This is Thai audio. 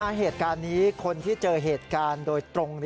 เหตุการณ์นี้คนที่เจอเหตุการณ์โดยตรง